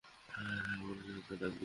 তারপর সবাই অগ্রসর হতে লাগলেন।